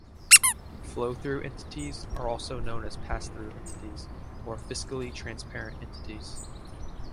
Flow-through entities are also known as pass-through entities or fiscally-transparent entities.